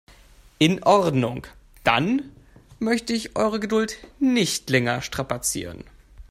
In Ordnung, dann möchte ich eure Geduld nicht länger strapazieren.